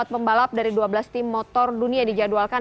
empat pembalap dari dua belas tim motor dunia dijadwalkan